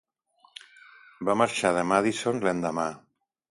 Va marxar de Madison l'endemà.